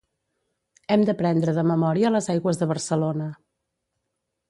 hem d'aprendre de memòria les aigües de Barcelona